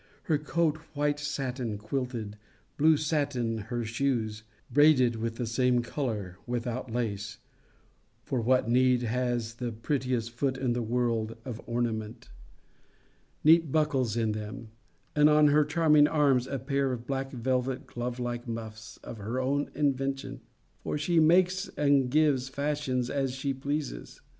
Her coat white sattin, quilted: blue sattin her shoes, braided with the same colour, without lace; for what need has the prettiest foot in the world of ornament? neat buckles in them: and on her charming arms a pair of black velvet glove like muffs of her own invention; for she makes and gives fashions as she pleases.